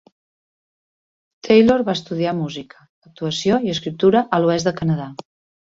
Taylor va estudiar música, actuació i escriptura a l'oest de Canadà.